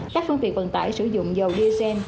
các phương tiện vận tải sử dụng dầu diesel